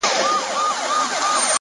• چي له هنده مي هم مال را رسېدلی ,